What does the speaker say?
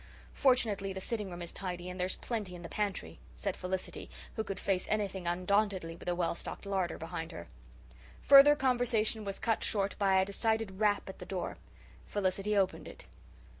"Fortunately the sitting room is tidy and there's plenty in the pantry," said Felicity, who could face anything undauntedly with a well stocked larder behind her. Further conversation was cut short by a decided rap at the door. Felicity opened it.